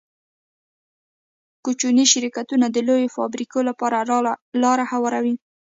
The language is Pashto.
کوچني شرکتونه د لویو فابریکو لپاره لاره هواروي.